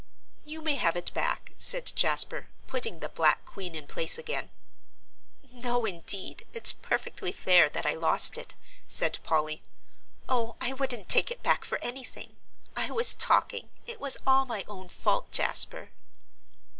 "You may have it back," said Jasper, putting the black queen in place again. "No, indeed it's perfectly fair that I lost it," said Polly; "oh, I wouldn't take it back for anything. I was talking; it was all my own fault, Jasper."